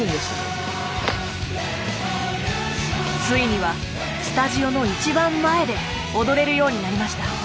ついにはスタジオの一番前で踊れるようになりました。